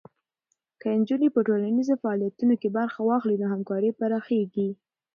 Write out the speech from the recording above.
که نجونې په ټولنیزو فعالیتونو کې برخه واخلي، نو همکاري پراخېږي.